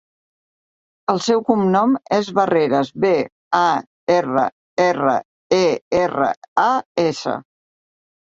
El seu cognom és Barreras: be, a, erra, erra, e, erra, a, essa.